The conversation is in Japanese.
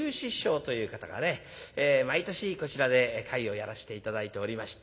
毎年こちらで会をやらして頂いておりまして。